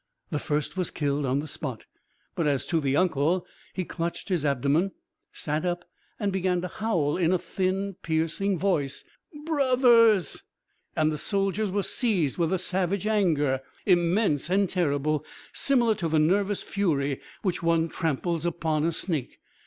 The first was killed on the spot, but as to the "uncle," he clutched his abdomen, sat up and began to howl in a thin, piercing voice: "Bro o thers!" And the soldiers were seized with a savage anger, immense and terrible, similar to the nervous fury with which one tramples upon a snake.